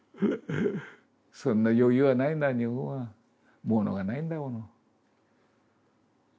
そんな余裕はないな日本はものがないんだもの